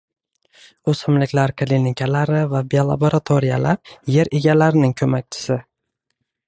O‘simliklar klinikalari va biolaboratoriyalar – yer egalarining ko‘makchisi